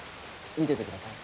見ててください。